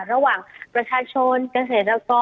ระหว่างประชาชนเกษตรกร